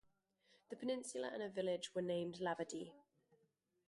The peninsula and a village were named Labadie.